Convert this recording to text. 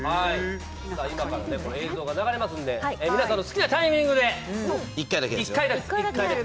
今から映像が流れますので皆さんの好きなタイミングで１回だけ。